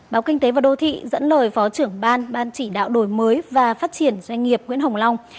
báo kinh tế và đô thị dẫn lời phó trưởng ban ban chỉ đạo đổi mới và phát triển doanh nghiệp nguyễn hồng long